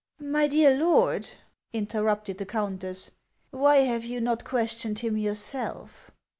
" My dear lord," interrupted the countess, " why have you not questioned him yourself